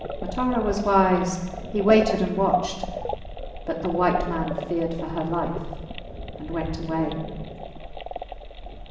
Matara was wise; he waited and watched. But the white man feared for her life and went away.